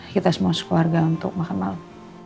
kita semua sekeluarga untuk makan malam